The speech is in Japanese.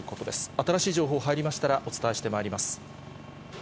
新しい情報入りましたら、お伝えしてまいります。